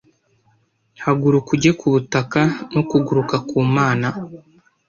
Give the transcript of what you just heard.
Haguruka ujye ku butaka no kuguruka ku Mana?